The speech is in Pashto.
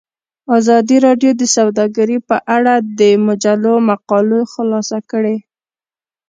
ازادي راډیو د سوداګري په اړه د مجلو مقالو خلاصه کړې.